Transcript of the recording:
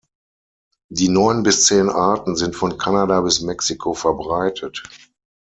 Die neun bis zehn Arten sind von Kanada bis Mexiko verbreitet.